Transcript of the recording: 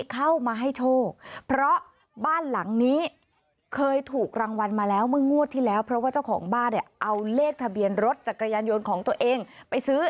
เข้ามาให้โชคเพราะบ้านหลังนี้เคยถูกรางวัลมาแล้วเมื่องวดที่แล้วเพราะว่าเจ้าของบ้านเนี่ยเอาเลขทะเบียนรถจักรยานยนต์ของตัวเองไปซื้อ